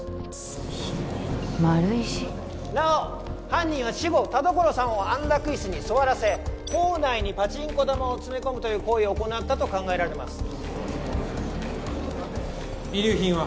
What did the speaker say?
なお犯人は死後田所さんを安楽椅子に座らせ口内にパチンコ玉を詰め込むという行為を行ったと考えられます遺留品は？